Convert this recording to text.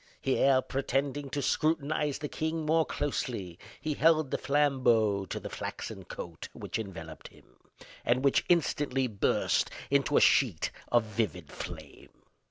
Here, pretending to scrutinize the king more closely, he held the flambeau to the flaxen coat which enveloped him, and which instantly burst into a sheet of vivid flame.